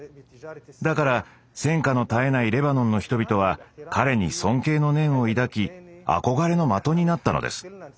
だから戦禍の絶えないレバノンの人々は彼に尊敬の念を抱き憧れの的になったのです。